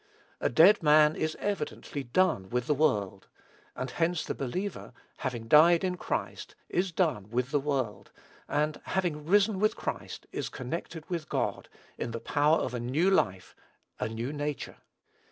A dead man is evidently done with the world; and hence the believer, having died in Christ, is done with the world; and, having risen with Christ, is connected with God, in the power of a new life, a new nature.